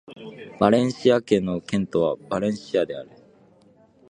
バレンシア県の県都はバレンシアである